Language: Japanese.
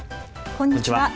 こんにちは。